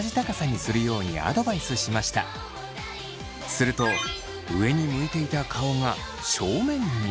すると上に向いていた顔が正面に。